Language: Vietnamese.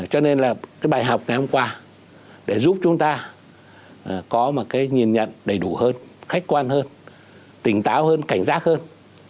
cho nên là cái bài học ngày hôm qua để giúp chúng ta có một cái nhìn nhận đầy đủ hơn khách quan hơn tỉnh táo hơn cảnh giác hơn